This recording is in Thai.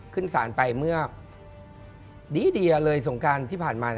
ขึ้นสารไปเมื่อดีเดียเลยสงการที่ผ่านมา